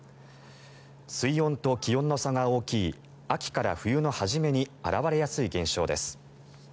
水温と気温の差が大きい秋から冬の初めに現れやすい現象です。